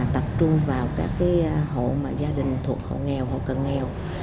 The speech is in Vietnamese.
tập trung vào các hộ gia đình thuộc hộ nghèo hộ cân nghèo